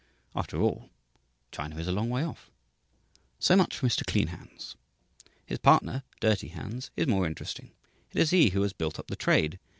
After all, China is a long way off. So much for Mr. Clean Hands! His partner, Dirty Hands, is more interesting. It is he who has "built up the trade."